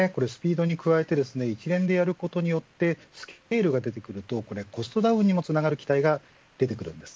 スピードに加えて一連でやることによってスケールが出てくるとコストダウンにもつながる期待が出てきます。